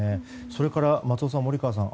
それから松尾さん、森川さん